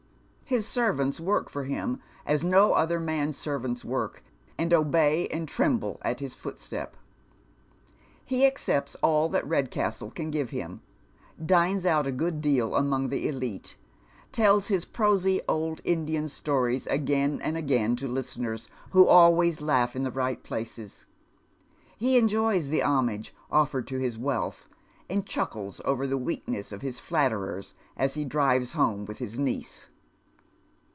His servants work for him as no other man's servants work, and obey, and tremble at his footstep. He accepts all that Kedcastle can give him, dines out a good deal among the elite^ tells his prosy old Indian stories again and again, to listeners who always laugh in the ri'^ht places. He enjoys the homage offered to his wealth, and cluickles over the weakness of his flatterers as he drives home with his niece.